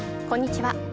こんにちは。